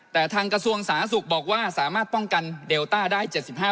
แต่ทางกระทรวงสาธารณสุขบอกว่าสามารถป้องกันเดลต้าได้๗๕